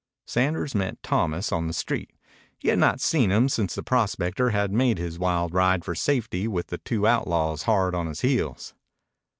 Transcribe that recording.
Sanders met Thomas on the street. He had not seen him since the prospector had made his wild ride for safety with the two outlaws hard on his heels.